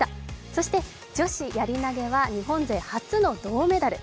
そして女子やり投は日本勢初の銅メダル。